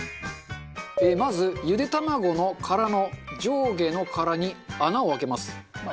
まずゆで卵の殻の上下の殻に穴を開けます。